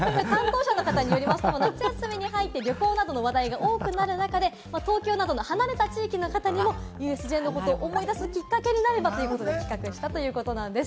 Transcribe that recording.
夏休みに入って、旅行などの話題が多くなる中で、東京などの離れた地域の方にもＵＳＪのことを思い出すきっかけになればということで企画したということなんです。